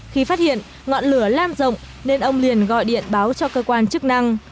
khi phát hiện ngọn lửa lam rộng nên ông liền gọi điện báo cho cơ quan chức năng